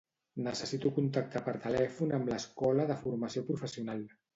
Necessito contactar per telèfon amb l'escola de formació professional.